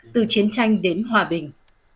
từ chiến tranh đến hòa bình